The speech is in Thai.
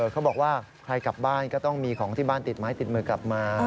เขาบอกว่าใครกลับบ้านก็ต้องมีของที่บ้านติดไม้ติดมือกลับมา